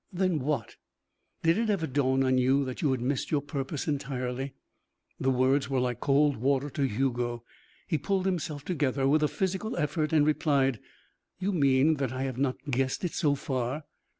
"Then what?" "Did it ever dawn on you that you had missed your purpose entirely?" The words were like cold water to Hugo. He pulled himself together with a physical effort and replied: "You mean that I have not guessed it so far?"